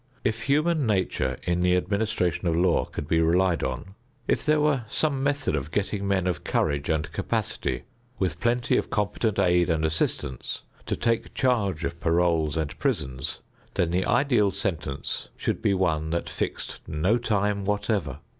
If human nature in the administration of law could be relied on; if there were some method of getting men of courage and capacity with plenty of competent aid and assistance to take charge of paroles and prisons, then the ideal sentence should be one that fixed no time whatever.